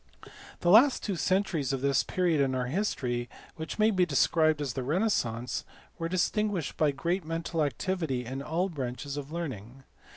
The last two centuries of this period of our history, which may be described as the renaissance, were distinguished by great mental activity in all branches of learning.